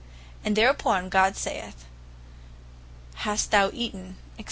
And thereupon God saith, "Hast thou eaten, &c."